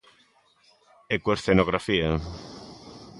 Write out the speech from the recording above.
E coa escenografía.